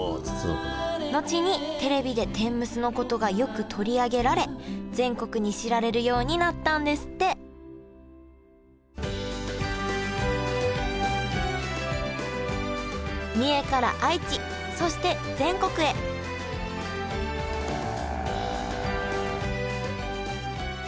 後にテレビで天むすのことがよく取り上げられ全国に知られるようになったんですって三重から愛知そして全国へへえ。